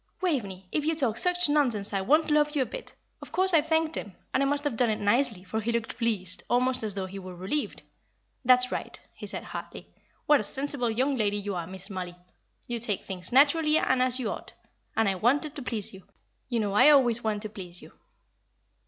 '" "Waveney, if you talk such nonsense I won't love you a bit. Of course I thanked him and I must have done it nicely, for he looked pleased, almost as though he were relieved. 'That's right,' he said, heartily. 'What a sensible young lady you are, Miss Mollie! You take things naturally and as you ought and I wanted to please you. You know I always want to please you.'"